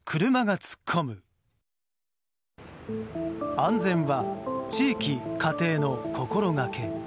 安全は地域・家庭の心がけ。